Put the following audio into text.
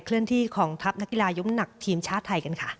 เลื่อนที่ของทัพนักกีฬายุ้มหนักทีมชาติไทยกันค่ะ